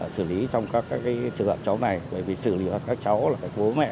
sử lý trong các trường hợp cháu này bởi vì xử lý các cháu là bố mẹ